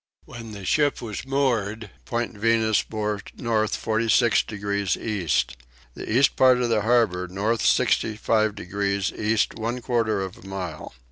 When the ship was moored Point Venus bore north 46 degrees east. The east point of the harbour north 65 degrees east one quarter of a mile.